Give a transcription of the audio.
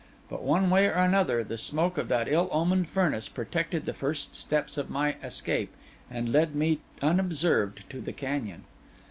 But, one way or another, the smoke of that ill omened furnace protected the first steps of my escape, and led me unobserved to the canyon.